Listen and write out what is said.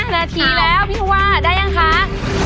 นาทีแล้วพี่ผู้ว่าได้ยังคะ